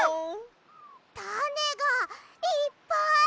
たねがいっぱい！